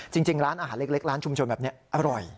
จริงร้านอาหารเล็กร้านชุมชนแบบนี้อร่อย